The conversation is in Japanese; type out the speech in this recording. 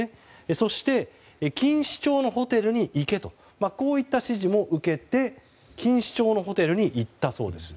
そして、錦糸町のホテルに行けといった指示も受けて錦糸町のホテルに行ったそうです。